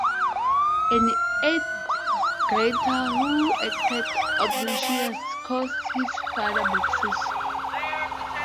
An eighth-grader who acted obnoxious, cause his father boxes.